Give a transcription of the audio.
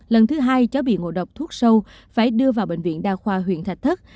lần thứ hai cháu bị ngộ độc thuốc sâu phải đưa vào bệnh viện đa khoa huyện thạch thất